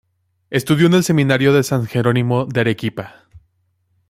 Estudió en el Seminario de San Jerónimo de Arequipa.